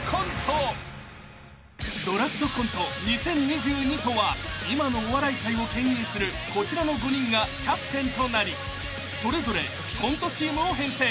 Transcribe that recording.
［『ドラフトコント２０２２』とは今のお笑い界をけん引するこちらの５人がキャプテンとなりそれぞれコントチームを編成］